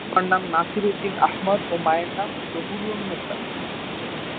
তার বাবার নাম নাসির উদ্দিন আহমদ ও মায়ের নাম তহুরুন্নেছা।